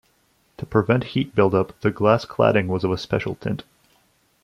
To prevent heat build-up the glass cladding was of a special tint.